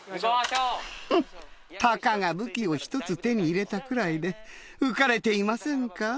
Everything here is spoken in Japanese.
フッたかが武器を１つ手に入れたくらいで浮かれていませんか？